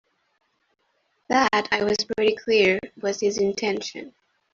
That, I was pretty clear, was his intention.